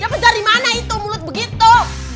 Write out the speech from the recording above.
dapat dari mana itu mulut begitu